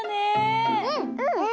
うん！